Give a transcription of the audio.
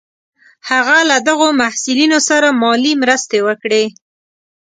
هغه له دغو محصلینو سره مالي مرستې وکړې.